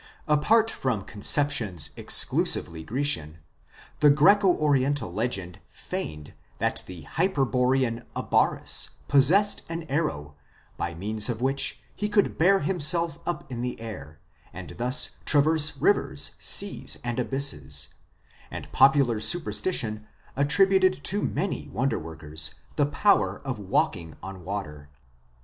Apart from conceptions exclusively Grecian,®? the Greco oriental legend feigned that the hyperborean Abaris possessed an arrow, by means of which he could bear himself up in the air, and thus traverse rivers, seas, and abysses, and popular superstition attributed to many wonder workers the power of walking on water.